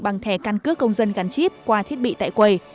bằng thẻ căn cước công dân gắn chip qua thiết bị tại quầy